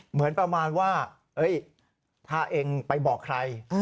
เหมือนประมาณว่าถ้าเองไปบอกใคร